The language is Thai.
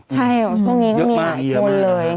ใช่ช่วงนี้ก็มีหลายคนเลย